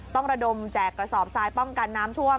ระดมแจกกระสอบทรายป้องกันน้ำท่วม